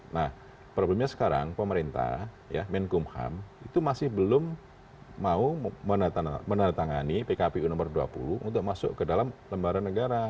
nah problemnya sekarang pemerintah ya menkumham itu masih belum mau menandatangani pkpu nomor dua puluh untuk masuk ke dalam lembaga negara